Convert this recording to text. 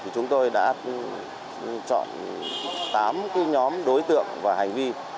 chúng tôi đã chọn tám nhóm đối tượng và hành vi